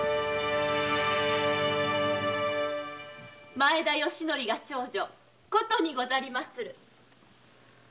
前田吉徳が長女琴にござりまする。